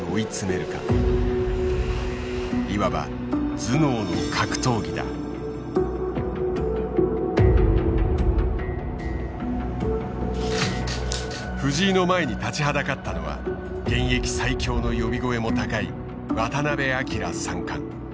いわば藤井の前に立ちはだかったのは現役最強の呼び声も高い渡辺明三冠。